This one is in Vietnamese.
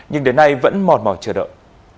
nhưng đến nay vẫn mòn mòn chờ đợi